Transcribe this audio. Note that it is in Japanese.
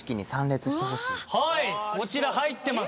こちら入ってます！